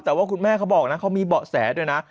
แต่ว่าคุณแม่เขาบอกนะเขามีเบาะแสด้วยนะ